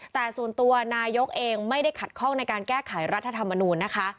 แต่ส่วนตัวนายกเองไม่ได้ขัดข้องในการแก้ไขรัฐธรรมนูญนะคะ